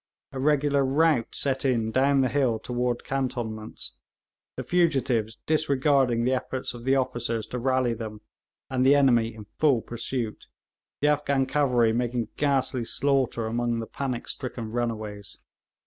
A regular rout set in down the hill toward cantonments, the fugitives disregarding the efforts of the officers to rally them, and the enemy in full pursuit, the Afghan cavalry making ghastly slaughter among the panic stricken runaways.